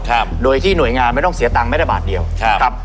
ครับโดยที่หน่วยงานไม่ต้องเสียตังค์ไม่ได้บาทเดียวครับครับ